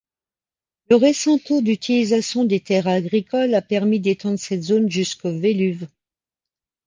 Le récent taux d'utilisation des terres agricoles a permis d'étendre cette zone jusqu'au Veluwe.